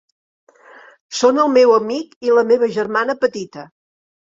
Són el meu amic i la meva germana petita.